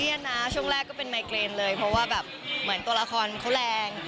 นะช่วงแรกก็เป็นไมเกรนเลยเพราะว่าแบบเหมือนตัวละครเขาแรง